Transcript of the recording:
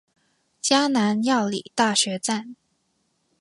嘉南藥理大學站